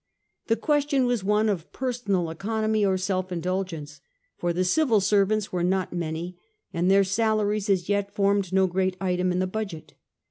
The question was one of personal economy or self indulgence, for the civil servants were not many, and their salaries as yet formed no great item in tire budget.